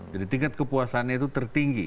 jadi tingkat kepuasannya itu tertinggi